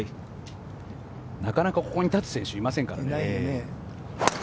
なかなかここに立つ選手いないですからね。